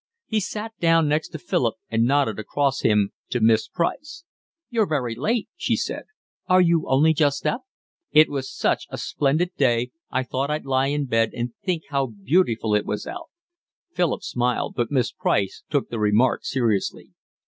He sat down next to Philip and nodded across him to Miss Price. "You're very late," she said. "Are you only just up?" "It was such a splendid day, I thought I'd lie in bed and think how beautiful it was out." Philip smiled, but Miss Price took the remark seriously.